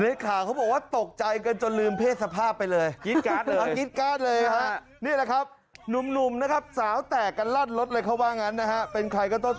ในข่าวเขาบอกว่าตกใจกันจนลืมเพศสภาพไปเลย